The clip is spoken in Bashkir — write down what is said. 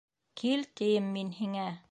Кил, тием мин һиңә!